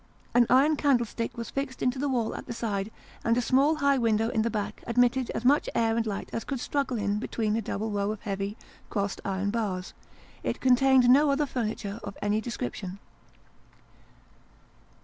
An iron candlestick was fixed into the wall at the side ; and a small high window in the back admitted as much air and light as could struggle in between a double row of heavy, crossed iron bars. It contained no other furniture of any description.